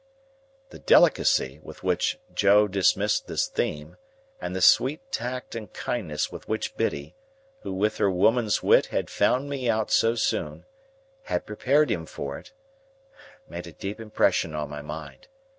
The delicacy with which Joe dismissed this theme, and the sweet tact and kindness with which Biddy—who with her woman's wit had found me out so soon—had prepared him for it, made a deep impression on my mind.